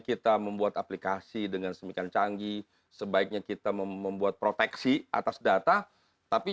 kita membuat aplikasi dengan semikian canggih sebaiknya kita membuat proteksi atas data tapi